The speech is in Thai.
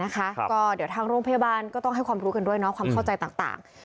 ก็เดี๋ยวทางโรงพยาบาลก็ต้องให้ความรู้กันด้วยความเข้าใจต่าง